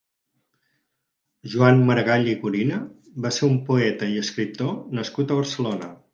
Joan Maragall i Gorina va ser un poeta i escriptor nascut a Barcelona.